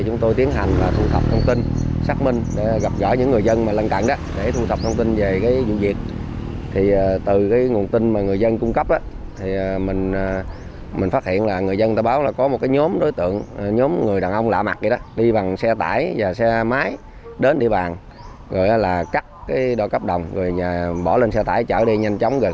chỉ trong một thời gian ngắn lần lượt các đối tượng trong băng nhóm trộm cắp dây cáp viễn thông